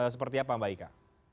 seperti apa mbak ika